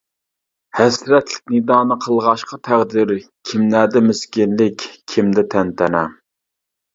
ھەسرەتلىك نىدانى قىلغاچقا تەقدىر، كىملەردە مىسكىنلىك كىمدە تەنتەنە.